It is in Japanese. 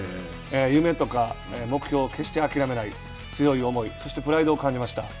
夢とか目標を決して諦めない強い思いそしてプライドを感じました。